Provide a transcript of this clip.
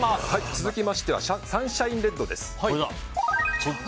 続いてサンシャインレッドです。